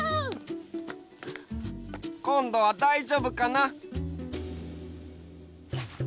こんどはだいじょうぶかな？